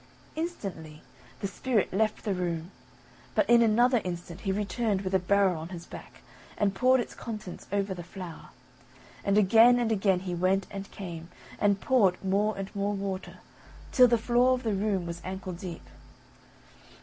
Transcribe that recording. Instantly the spirit left the room, but in another instant he returned with a barrel on his back, and poured its contents over the flower; and again and again he went and came, and poured more and more water, till the floor of the room was ankle deep.